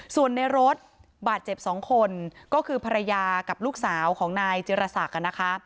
ส่วนในรถบาดเจ็บ๒คนก็คือภรรยากับลูกสาวของนายจิรษักนะคะ